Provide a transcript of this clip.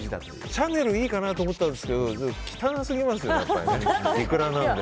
シャネルいいかなと思ったんですけど汚すぎますよね